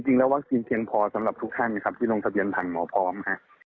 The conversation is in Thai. จริงแล้ววัคซีนเพียงพอสำหรับทุกท่านนะครับที่ลงทะเบียนผ่านหมอพร้อมฮะ